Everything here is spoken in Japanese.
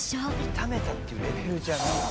「痛めたっていうレベルじゃないよね」